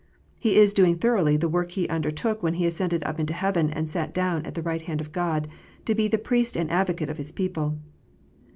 He is doing thoroughly the work He undertook when He ascended up to heaven, and sat down on the right hand of God to be the Priest and Advocate of His people.